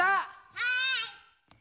はい！